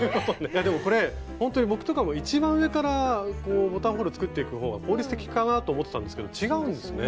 でもこれほんとに僕とかも一番上からボタンホール作っていくほうが効率的かなと思ってたんですけど違うんですね。